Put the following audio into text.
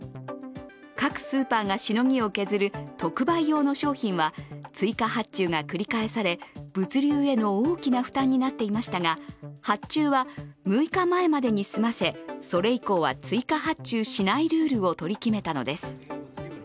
各スーパーがしのぎを削る特売用の商品は、追加発注が繰り返され物流への大きな負担となっていましたが発注は６日前までに済ませ、それ以降は追加発注しないルールを取り決めたのです。